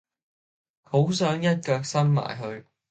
好想一腳伸埋去